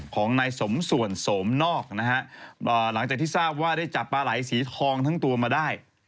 ของนายสมส่วนโสมนอกนะฮะหลังจากที่ทราบว่าได้จับปลาไหลสีทองทั้งตัวมาได้